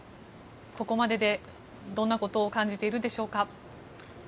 ここまでで、どんなことを感じているでしょうか？